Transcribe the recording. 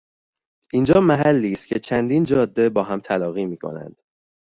اینجا محلی است که چندین جاده با هم تلاقی میکنند.